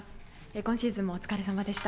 今シーズンもお疲れさまでした。